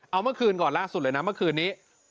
เอาเมื่อคืนก่อนล่าสุดเลยนะเมื่อคืนนี้